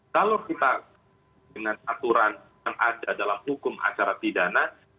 kalau kita dengan aturan yang ada dalam hukum acara pidana